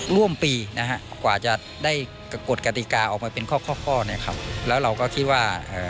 ร่วมปีกว่าจะได้กดกติกาออกมาเป็นข้อแล้วเราก็คิดว่า